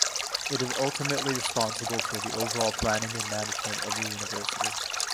It is ultimately responsible for the overall planning and management of the university.